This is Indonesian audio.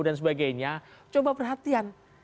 dan sebagainya coba perhatian